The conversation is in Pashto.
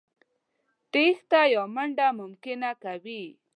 تېښته يا منډه ممکنه کوي.